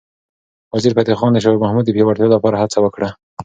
وزیرفتح خان د شاه محمود د پیاوړتیا لپاره هڅه وکړه.